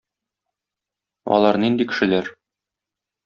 Алар нинди кешеләр?